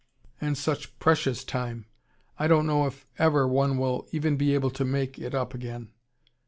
And such PRECIOUS time! I don't know if ever one will even be able to make it up again."